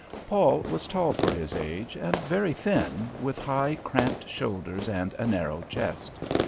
Paul was tall for his age and very thin, with high, cramped shoulders and a narrow chest.